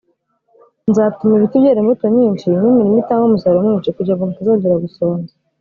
nzatuma ibiti byera imbuto nyinshi n’imirima itange umusaruro mwinshi kugira ngo mutazongera gusonza